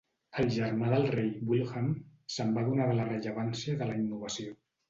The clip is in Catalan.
El germà del rei, Wilhelm, se'n va adonar de la rellevància de la innovació.